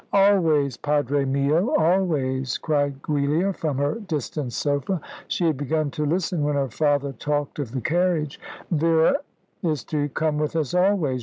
"Always, Padre mio, always!" cried Giulia from her distant sofa. She had begun to listen when her father talked of the carriage. "Vera is to come with us always.